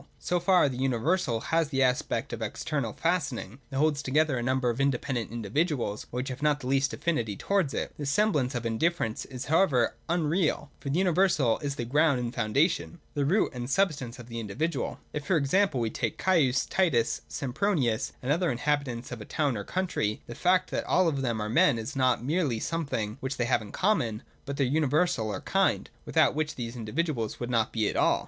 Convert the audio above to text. So far the universal has the aspect of an external fastening, that holds together a number of independent individuals, which have not the least affinity towards it. This semblance of indifference is how ever unreal : for the universal is the ground and foundation, the root and substance of the individual. If e.g. we take Caius, Titus, Sempronius, and the other inhabitants of a town or country, the fact that all of them are men is not merely something which they have in common, but their universal or kind, without which these individuals would not be at all.